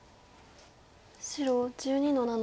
白１２の七。